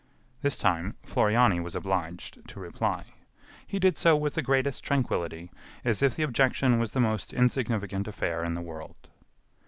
This time, Floriani was obliged to reply. He did so with the greatest tranquility, as if the objection was the most insignificant affair in the world.